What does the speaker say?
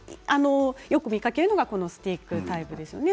あとよく見かけるのがスティックタイプですよね。